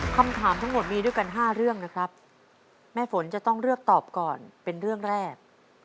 คำถามทั้งหมดมีด้วยกัน๕เรื่องนะครับแม่ฝนจะต้องเลือกตอบก่อนเป็นเรื่องแรก